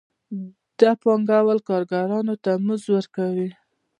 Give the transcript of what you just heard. دا پانګوال کارګرانو ته مزد ورکوي